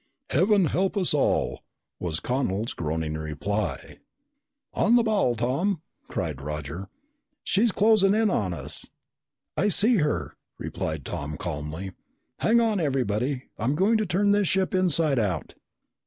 "Heaven help us all!" was Connel's groaning reply. "On the ball, Tom!" cried Roger. "She's closing in on us!" "I see her," replied Tom calmly. "Hang on, everybody. I'm going to turn this ship inside out!"